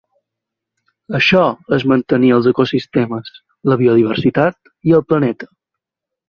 Això és mantenir els ecosistemes, la biodiversitat, i el planeta.